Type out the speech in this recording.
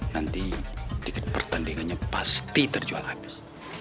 nanti tiket pertandingannya pasti terjual habis